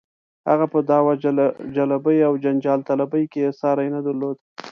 هغه په دعوه جلبۍ او جنجال طلبۍ کې یې ساری نه درلود.